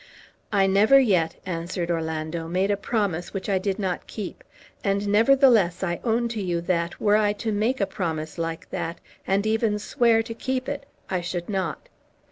"I never yet," answered Orlando, "made a promise which I did not keep, and nevertheless I own to you that, were I to make a promise like that, and even swear to keep it, I should not.